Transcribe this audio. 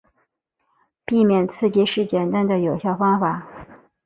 避免刺激是简单有效的方法。